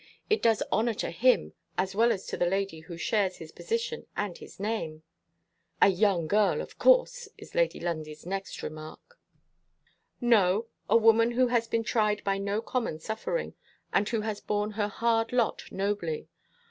It does honor to him, as well as to the lady who shares his position and his name." "A young girl, of course!" is Lady Lundie's next remark. "No. A woman who has been tried by no common suffering, and who has borne her hard lot nobly.